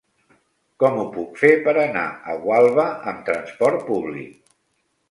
Com ho puc fer per anar a Gualba amb trasport públic?